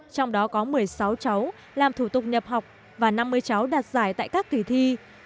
trong đó có một mươi sáu cháu làm thủ tục nhập học và năm mươi cháu đạt giải tại các kỳ thi